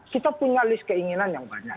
kita punya list keinginan yang banyak